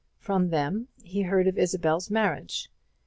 From them he heard of Isabel's marriage.